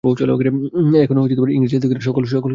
এখন ইংরেজ-অধিকারে সকলকেই আইনের দ্বারা রক্ষা করছে।